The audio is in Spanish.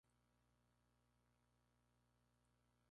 Han sido varias las exposiciones que ha hecho el artista.